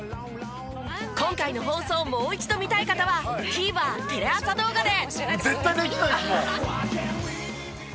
今回の放送をもう一度見たい方はＴＶｅｒテレ朝動画で！